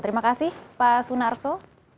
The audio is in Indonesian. terima kasih pak sunarso